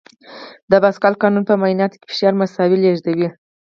د پاسکال قانون په مایعاتو کې فشار مساوي لېږدوي.